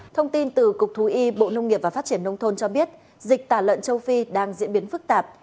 thông tin từ cục thú y bộ nông nghiệp và phát triển nông thôn cho biết dịch tả lợn châu phi đang diễn biến phức tạp